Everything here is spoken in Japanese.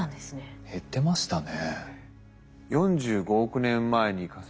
減ってましたね。